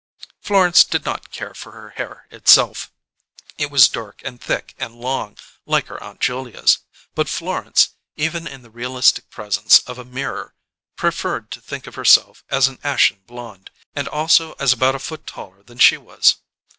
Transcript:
Florence did not care for her hair herself; it was dark and thick and long, like her Aunt Julia's; but Florence even in the realistic presence of a mirror preferred to think of herself as an ashen blonde, and also as about a foot taller than she was.